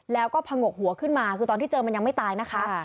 แล้วก็ผงกหัวขึ้นมาคือตอนที่เจอมันยังไม่ตายนะคะ